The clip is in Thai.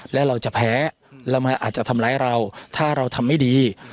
และเราจะแพ้เราอาจจะทำร้ายเราถ้าเราทำไม่ดี